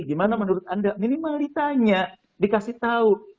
gimana menurut anda minimal ditanya dikasih tahu